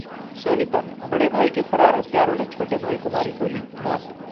सोनीपत: बड़े भाई के फरार हत्यारों ने छोटे भाई को मारी गोली, मौत